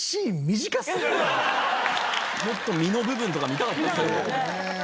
もっと身の部分とか見たかったですね。